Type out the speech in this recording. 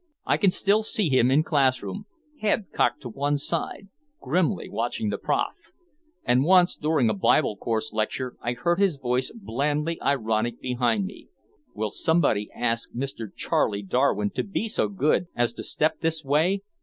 I can still see him in classroom, head cocked to one side, grimly watching the prof. And once during a Bible course lecture I heard his voice blandly ironic behind me: "Will somebody ask Mister Charley Darwin to be so good as to step this way?"